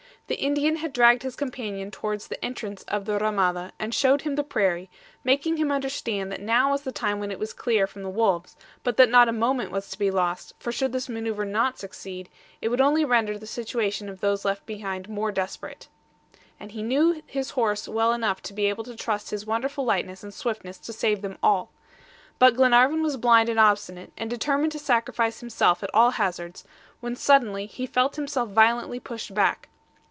The Indian had dragged his companion towards the entrance of the RAMADA, and showed him the prairie, making him understand that now was the time when it was clear from the wolves; but that not a moment was to be lost, for should this maneuver not succeed, it would only render the situation of those left behind more desperate, and that he knew his horse well enough to be able to trust his wonderful lightness and swiftness to save them all. But Glenarvan was blind and obstinate, and determined to sacrifice himself at all hazards, when suddenly he felt himself violently pushed back.